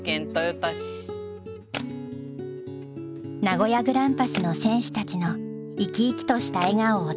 名古屋グランパスの選手たちの生き生きとした笑顔を捉えた写真。